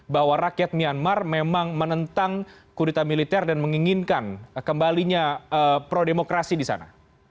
bahwa rakyat myanmar memang menentang kurita militer dan menginginkan kembalinya pro demokrasi di sana